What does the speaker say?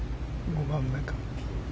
５番目か。